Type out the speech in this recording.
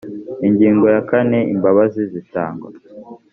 ingingo ya kane imbabazi zitangwa